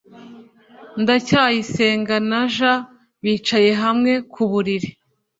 ndacyayisenga na j bicaye hamwe ku buriri